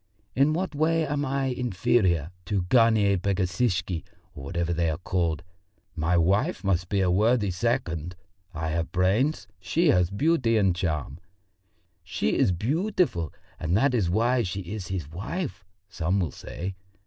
In what way am I inferior to a Garnier Pagesishky or whatever they are called? My wife must be a worthy second I have brains, she has beauty and charm. 'She is beautiful, and that is why she is his wife,' some will say.